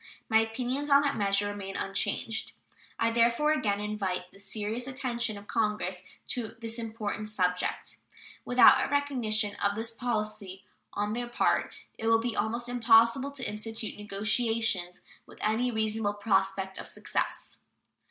My opinions on that measure remain unchanged. I therefore again invite the serious attention of Congress to this important subject. Without a recognition of this policy on their part it will be almost impossible to institute negotiations with any reasonable prospect of success.